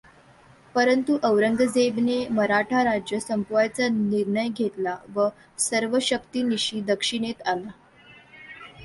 परंतु औरंगजेबने मराठा राज्य संपवायचा निर्णय घेतला व सर्वशक्तीनीशी दक्षिणेत आला.